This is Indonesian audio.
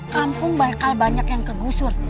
kampung bakal banyak yang kegusur